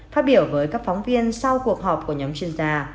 phát biểu với các phóng viên sau cuộc họp của nhóm chuyên gia